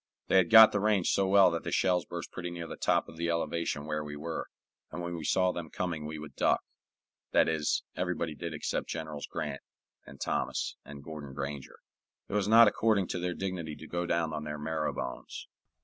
They had got the range so well that the shells burst pretty near the top of the elevation where we were, and when we saw them coming we would duck that is, everybody did except Generals Grant and Thomas and Gordon Granger. It was not according to their dignity to go down on their marrow bones.